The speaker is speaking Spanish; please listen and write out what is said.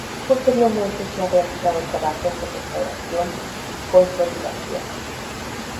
Posteriormente se han realizado trabajos de restauración y consolidación.